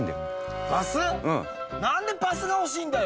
なんでバスが欲しいんだよ？